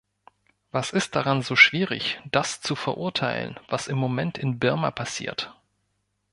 Was ist daran so schwierig, das zu verurteilen, was im Moment in Birma passiert?